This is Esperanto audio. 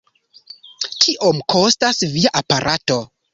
Kiom kostas via aparato?